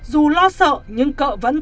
dù lo sợ nhưng cỡ vẫn